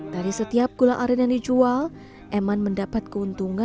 dari setiap gula aren yang dijual eman mendapat keuntungan